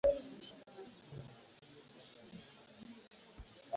Niba witoza cyane, ntuzagora gusa, uzagora gutsinda.”